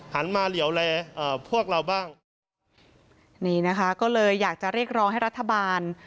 หันมาเหลี่ยวแลเอ่อพวกเราบ้างนี่นะคะก็เลยอยากจะเรียกร้องให้รัฐบาล